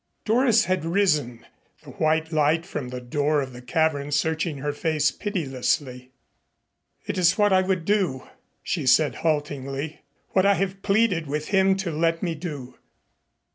Doris had risen, the white light from the door of the cavern searching her face pitilessly. "It is what I would do," she said haltingly. "What I have pleaded with him to let me do.